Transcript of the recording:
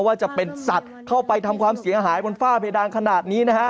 ว่าจะเป็นสัตว์เข้าไปทำความเสียหายบนฝ้าเพดานขนาดนี้นะฮะ